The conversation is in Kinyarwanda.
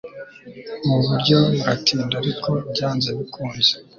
Ubu buryo buratinda ariko byanze bikunze